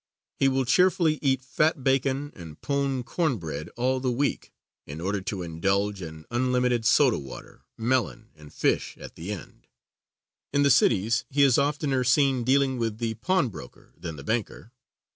He will cheerfully eat fat bacon and "pone" corn bread all the week[C] in order to indulge in unlimited soda water, melon and fish at the end. In the cities he is oftener seen dealing with the pawn broker than the banker.